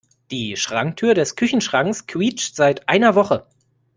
Die Schranktür des Küchenschranks quietscht seit einer Woche.